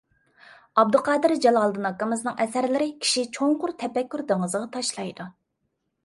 ئابدۇقادىر جالالىدىن ئاكىمىزنىڭ ئەسەرلىرى كىشى چوڭقۇر تەپەككۇر دېڭىزىغا تاشلايدۇ.